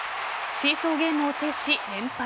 シーソーゲームを制し連敗